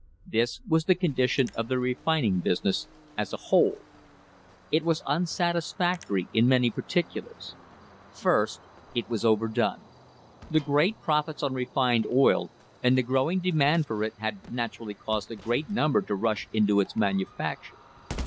This was the condition of the refining business as a whole. It was unsatisfactory in many particulars. First, it was overdone. The great profits on refined oil and the growing demand for it had naturally caused a great number to rush into its manufacture.